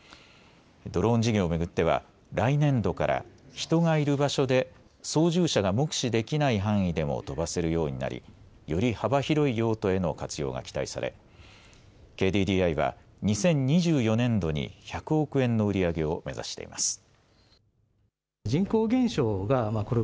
ドローン事業を巡っては、来年度から、人がいる場所で、操縦者が目視できない範囲でも飛ばせるようになり、より幅広い用途への活用が期待され、ＫＤＤＩは、２０２４年度に１００億円の売り上げを目指しています。